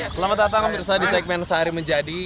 selamat datang mirsa di segmen sehari menjadi